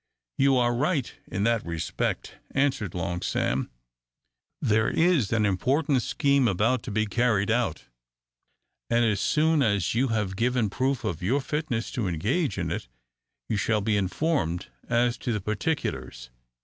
"You are right in that respect," answered Long Sam: "there is an important scheme about to be carried out; and as soon as you have given proof of your fitness to engage in it, you shall be informed as to the particulars.